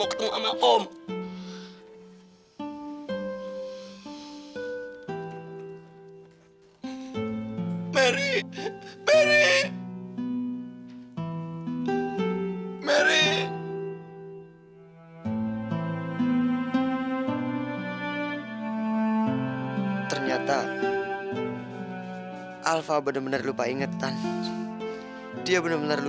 oh mereka psanin ber